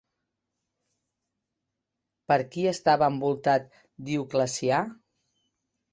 Per qui estava envoltat Dioclecià?